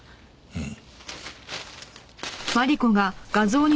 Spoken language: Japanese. うん。